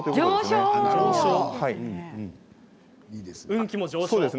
運気も上昇。